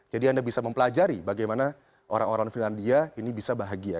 jadi anda bisa mempelajari bagaimana orang orang finlandia ini bisa bahagia